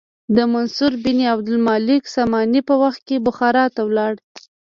د منصور بن عبدالمالک ساماني په وخت کې بخارا ته لاړ.